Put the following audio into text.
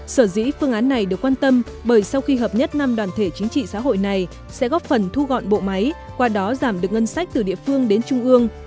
sở dĩ phương án này được quan tâm bởi sau khi hợp nhất năm đoàn thể chính trị xã hội này sẽ góp phần thu gọn bộ máy qua đó giảm được ngân sách từ địa phương đến trung ương